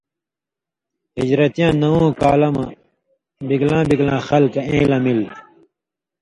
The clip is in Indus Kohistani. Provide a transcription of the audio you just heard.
ہِجرتِیاں نوؤں کالہ مہ بِگلاں بِگلاں خلکہ اېں لمِل۔